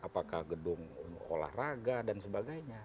apakah gedung olahraga dan sebagainya